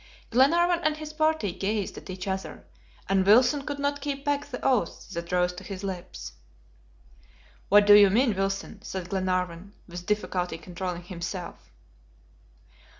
Glenarvan and his party gazed at each other and Wilson could not keep back the oath that rose to his lips. "What do you mean, Wilson?" said Glenarvan, with difficulty controlling himself.